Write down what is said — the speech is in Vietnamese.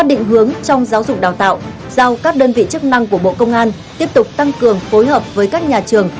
giáo dục đào tạo giao các đơn vị chức năng của bộ công an tiếp tục tăng cường phối hợp với các nhà trường